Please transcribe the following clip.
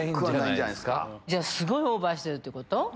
じゃあすごいオーバーしてるってこと？